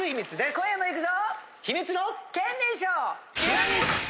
今夜も行くぞ！